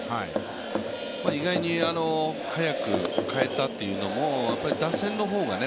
意外に早く代えたというのも打線の方がね